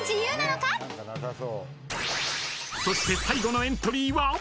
［そして最後のエントリーは？］